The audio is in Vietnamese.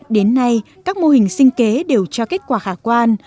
đến nay các mô hình sinh kế đều cho kết quả khả quan